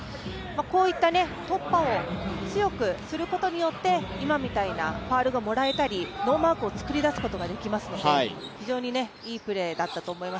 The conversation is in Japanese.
こういった突破を強くすることによって、今みたいなファウルがもらえたり、ノーマークを作り出すことができますので、非常にいいプレーだったと思います。